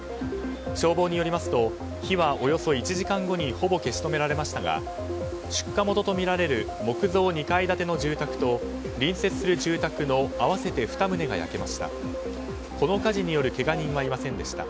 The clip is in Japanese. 消防によりますと火は、およそ１時間後にほぼ消し止められましたが出火元とみられる木造２階建ての住宅と隣接する住宅の合わせて２棟が焼けました。